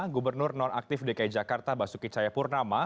gubernur non aktif dki jakarta basuki cayapurnama